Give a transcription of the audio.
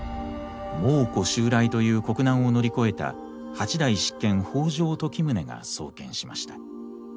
蒙古襲来という国難を乗り越えた八代執権北条時宗が創建しました。